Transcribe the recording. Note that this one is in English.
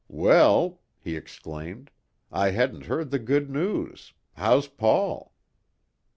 "Well," he exclaimed, "I hadn't heard the good news. How's Paul."